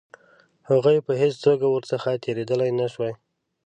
هغوی په هېڅ توګه ورڅخه تېرېدلای نه شوای.